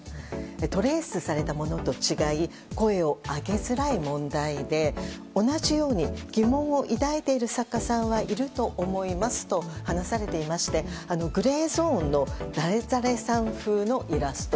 トレースされたものと違い声を上げづらい問題で同じように疑問を抱いている作家さんはいると思いますと話されていましてグレーゾーンの誰々さん風のイラスト